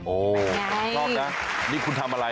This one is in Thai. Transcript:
ชอบนะนี่คุณทำอะไร